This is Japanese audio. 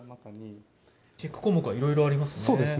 チェック項目がいろいろありますね。